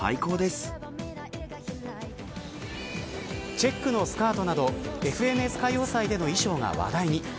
チェックのスカートなどＦＮＳ歌謡祭の衣装が話題に。